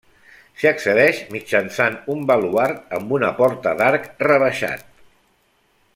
S'hi accedeix mitjançant un baluard amb una porta d'arc rebaixat.